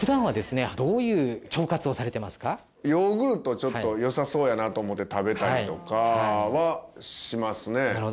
ちょっとよさそうやなと思って食べたりとかはしますね。